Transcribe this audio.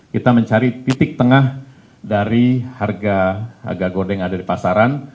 kita mencari titik tengah dari harga godeng yang ada di pasaran